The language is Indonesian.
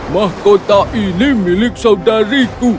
mahkota ini milik saudariku